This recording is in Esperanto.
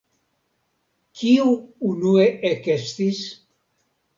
Kiu unue ekestis?